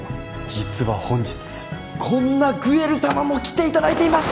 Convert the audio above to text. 実は本日こんなグエル様も来ていただいています